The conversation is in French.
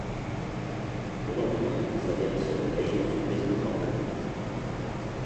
Le lendemain Isabelle se réveille dans une maison de campagne.